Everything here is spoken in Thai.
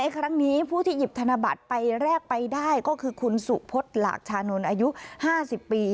ครั้งนี้ผู้ที่หยิบธนบัตรไปแรกไปได้ก็คือคุณสุพฤษหลากชานนท์อายุ๕๐ปี